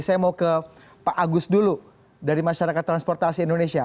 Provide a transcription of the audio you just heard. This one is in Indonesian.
saya mau ke pak agus dulu dari masyarakat transportasi indonesia